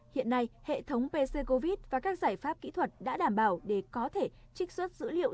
hiện nay hệ thống pci và các giải pháp kỹ thuật đã đảm bảo để có thể trích xuất dữ liệu